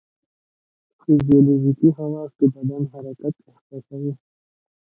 فزیولوژیکي حواس د بدن حرکت احساسوي.